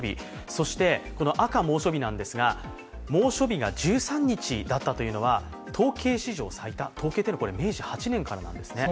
そして、赤は猛暑日なんですが、猛暑日が１３日だったというのは統計史上最多、統計というのは明治８年からなんですね。